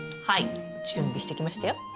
はい準備してきましたよ。